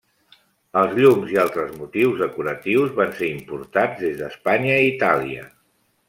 Els llums i altres motius decoratius van ser importats des d'Espanya i Itàlia.